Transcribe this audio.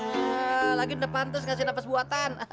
ehh lagi udah pantas ngasih nafas buatan